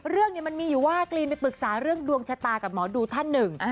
เรื่องนี้มันมีอยู่ว่ากรีนไปปรึกษาเรื่องดวงชะตากับหมอดูท่านหนึ่ง